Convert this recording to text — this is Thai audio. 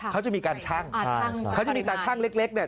เขาจะมีการชั่งเขาจะมีตาชั่งเล็กเนี่ย